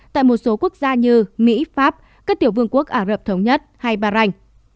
tại một số quốc gia như mỹ pháp các tiểu vương quốc ả rập thống nhất hay bà rành